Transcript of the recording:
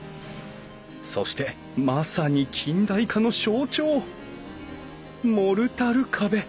そしてまさに近代化の象徴モルタル壁！